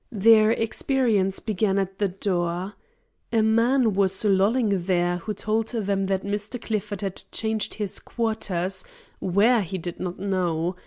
Their experience began at the door. A man was lolling there who told them that Mr. Clifford had changed his quarters; where he did not know.